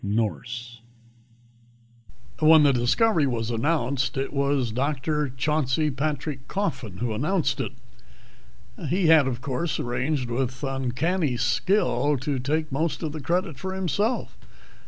Nourse When the discovery was announced, it was Dr. Chauncey Patrick Coffin who announced it. He had, of course, arranged with uncanny skill to take most of the credit for himself.